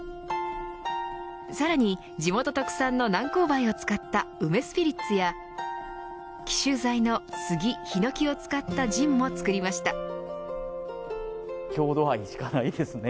さらに地元特産の南高梅を使った梅スピリッツや紀州材のスギ、ヒノキを使ったジンも作りました。